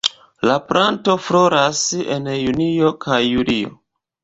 La planto floras en junio kaj julio.